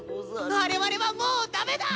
我々はもうダメだ！